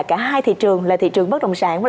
cả hai thị trường là thị trường bất động sản